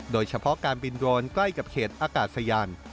โดยเฉพาะการบินโดรนใกล้กับเขตอากาศยาน